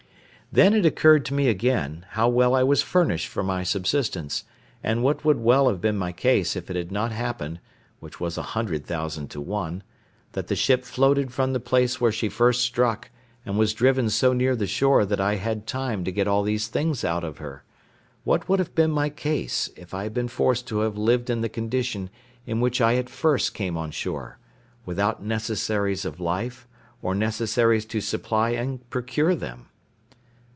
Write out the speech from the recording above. Then it occurred to me again, how well I was furnished for my subsistence, and what would have been my case if it had not happened (which was a hundred thousand to one) that the ship floated from the place where she first struck, and was driven so near to the shore that I had time to get all these things out of her; what would have been my case, if I had been forced to have lived in the condition in which I at first came on shore, without necessaries of life, or necessaries to supply and procure them?